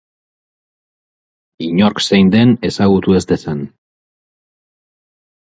Inork zein den ezagutu ez dezan.